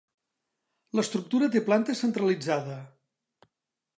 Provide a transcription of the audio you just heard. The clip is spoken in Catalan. L'estructura té planta centralitzada.